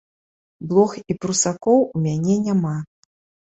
Блох і прусакоў у мяне няма.